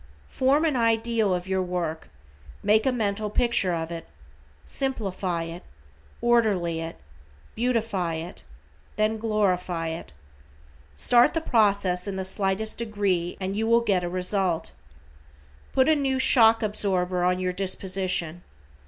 Form an ideal of your work, make a mental picture of it, simplify it, orderly it, beautify it, then glorify it. Start the process in the slightest degree and you will get a result. Put a new shock absorber on your disposition.